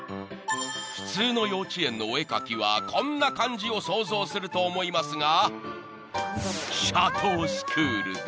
［普通の幼稚園のお絵描きはこんな感じを想像すると思いますが］